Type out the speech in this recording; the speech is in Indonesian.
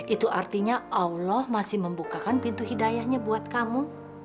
itu artinya allah masih membukakan pintu hidayahnya buat kamu